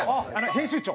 編集長。